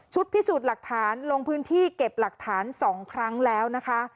พิสูจน์หลักฐานลงพื้นที่เก็บหลักฐาน๒ครั้งแล้วนะคะ